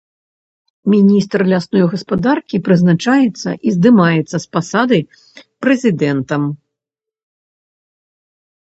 Міністр лясной гаспадаркі прызначаецца і здымаецца з пасады прэзідэнтам.